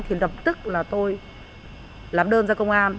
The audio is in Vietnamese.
thì đập tức là tôi làm đơn ra công an